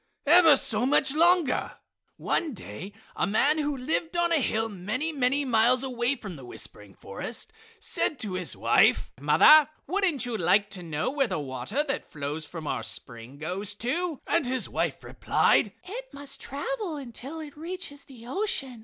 Ever so much longer! One day a man who lived on a hill many, many miles away from the whispering forest said to his wife: "Mother, wouldn't you like to know where the water that flows from our spring goes to?" And his wife replied: "It must travel until it reaches the ocean!"